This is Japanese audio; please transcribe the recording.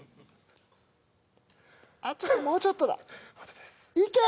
あともうちょっとだいけ！